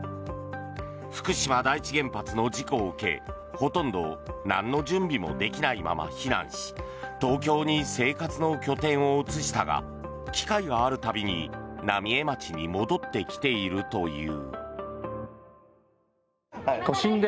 福島第一原発の事故を受けほとんどなんの準備もできないまま避難し東京に生活の拠点を移したが機会がある度に浪江町に戻ってきているという。